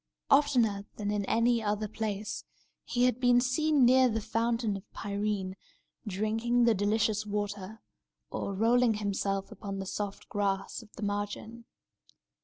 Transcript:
Oftener than in any other place, he had been seen near the Fountain of Pirene, drinking the delicious water, or rolling himself upon the soft grass of the margin.